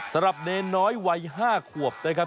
สำหรับเนรน้อยวัย๕ขวบนะครับ